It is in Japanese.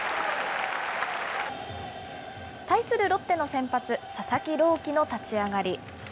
対するロッテの先発、佐々木朗希の立ち上がり。